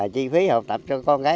chi phí học tập cho con gái